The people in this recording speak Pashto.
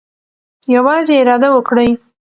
یوازې اراده وکړئ.